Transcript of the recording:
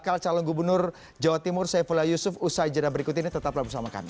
jangan lupa calon gubernur jawa timur saya fulya yusuf usai jenaz berikut ini tetaplah bersama kami